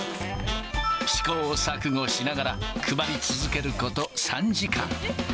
試行錯誤しながら、配り続けること３時間。